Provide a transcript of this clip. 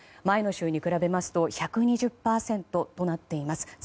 前の週と比べますと１２０％となっています。